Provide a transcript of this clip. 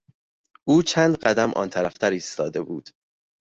او چند قدم آنطرفتر ایستاده بود.